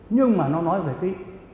nhưng mà nó nói về cái